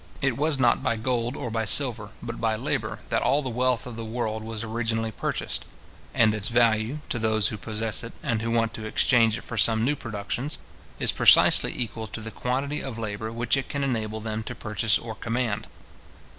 It was not by gold or by silver, but by labour, that all the wealth of the world was originally purchased; and its value, to those who possess it, and who want to exchange it for some new productions, is precisely equal to the quantity of labour which it can enable them to purchase or command.